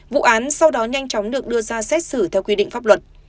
vụ án sau đó nhanh chóng được đưa ra xét xử theo quy định pháp luật